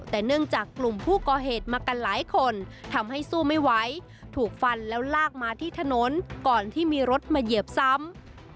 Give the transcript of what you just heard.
แต่เนื่องจากกลุ่มผู้ก่อเหตุมากันหลายคนทำให้สู้ไม่ไหวถูกฟันแล้วลากมาที่ถนนก่อนที่มีรถมาเหยียบซ้ำ